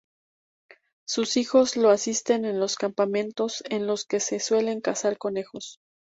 Sus hijos lo asisten en los campamentos, en los que se suelen cazar conejos.